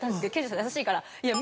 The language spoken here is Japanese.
優しいから。